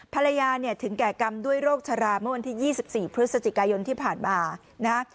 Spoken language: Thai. ภรรยาเนี่ยถึงแก่กรรมด้วยโรคชะลาเมื่อวันที่๒๔พฤศจิกายนที่ผ่านมานะฮะ